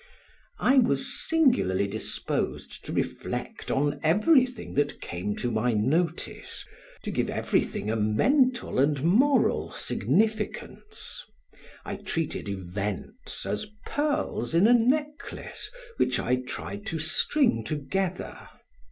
I was singularly disposed to reflect on everything that came to my notice, to give everything a mental and moral significance; I treated events as pearls in a necklace which I tried to string together.